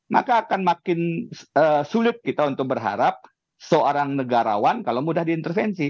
maka akan makin sulit kita untuk berharap seorang negarawan kalau mudah diintervensi